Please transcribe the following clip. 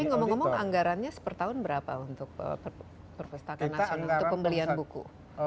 ini ngomong ngomong anggarannya sepertahun berapa untuk perpustakaan nasional untuk pembelian buku